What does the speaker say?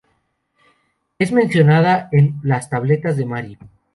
Es mencionada en las tabletas de Mari.